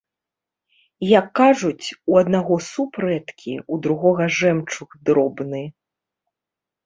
Як кажуць, у аднаго суп рэдкі, у другога жэмчуг дробны.